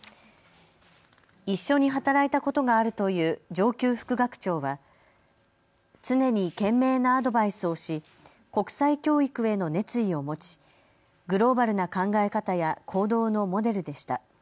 一緒に働いたことがあるという上級副学長は常に賢明なアドバイスをし国際教育への熱意を持ちグローバルな考え方や行動のモデルでした。